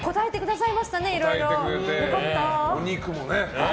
お肉もね。